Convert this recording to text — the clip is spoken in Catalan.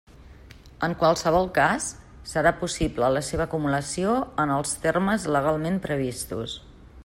En qualsevol cas serà possible la seva acumulació en els termes legalment previstos.